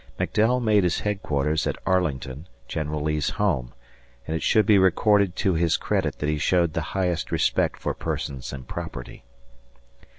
McDowell made his headquarters at Arlington, General Lee's home, and it should be recorded to his credit that he showed the highest respect forpersons and property.